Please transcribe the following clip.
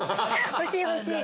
欲しい欲しい。